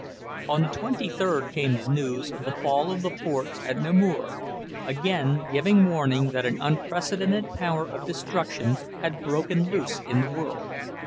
On the twenty third came the news of the fall of the forts at Namur; again giving warning that an unprecedented power of destruction had broken loose in the world.